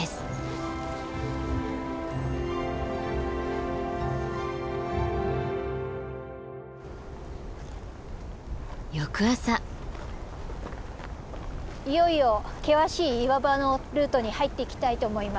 いよいよ険しい岩場のルートに入っていきたいと思います。